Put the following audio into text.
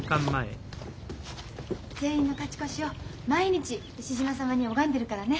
全員の勝ち越しを毎日牛嶋さまに拝んでるからね。